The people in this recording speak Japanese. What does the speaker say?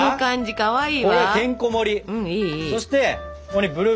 かわいい。